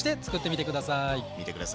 みてください！